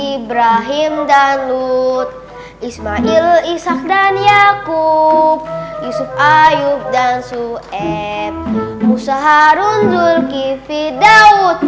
ibrahim dan lut ismail ishak dan yaakub yusuf ayub dan sueb musa harun zulkifit daud